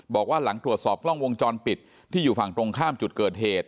บอกว่าหลังตรวจสอบกล้องวงจรปิดที่อยู่ฝั่งตรงข้ามจุดเกิดเหตุ